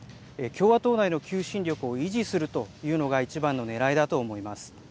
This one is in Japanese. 共和党内の求心力を維持するというのが一番のねらいだと思います。